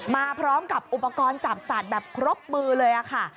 มาพร้อมกับอุปกรณ์จับสัตว์แบบครบมือเลยค่ะ